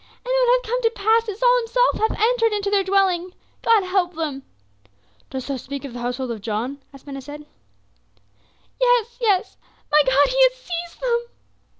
And now it hath come to pass that Saul himself hath entered into their dwelling. God help them!" "Dost thou speak of the household of John?" asked Ben Hesed. "Yes, yes. My God, he has seized them!"